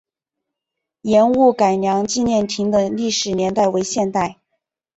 盐务改良纪念亭的历史年代为现代。